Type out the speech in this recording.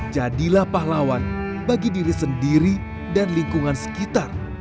jadilah pahlawan bagi diri sendiri dan lingkungan sekitar